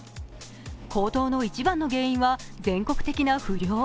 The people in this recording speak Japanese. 高騰の一番の原因は全国的な不漁。